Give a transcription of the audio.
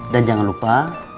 dan jangan lupa